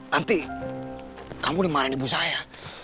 nanti kamu dimarahin ibu saya